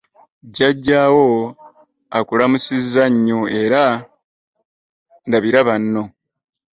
Jjajjaawo akulamusizza nnyo, era ndabira banno.